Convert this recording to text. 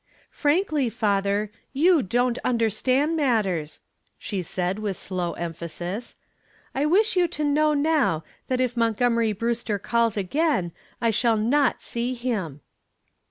"Frankly, father, you don't understand matters," she said with slow emphasis; "I wish you to know now that if Montgomery Brewster calls again, I shall not see him."